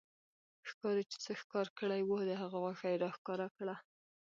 ښکارې چې څه ښکار کړي وو، د هغه غوښه يې را ښکاره کړه